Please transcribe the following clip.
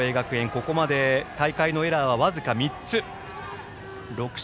ここまで大会のエラーは僅か３つ。